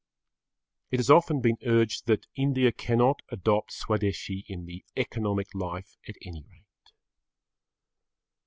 It has often been urged that India cannot adopt Swadeshi in the economic life at any rate.